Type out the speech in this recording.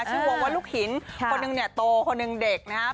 ชื่อวงว่าลูกหินคนหนึ่งเนี่ยโตคนหนึ่งเด็กนะครับ